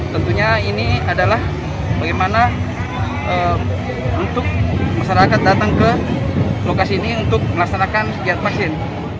tentunya ini adalah bagaimana untuk masyarakat datang ke lokasi ini untuk melaksanakan kegiatan vaksin